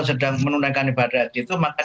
sedang menundaikan ibadah haji itu maka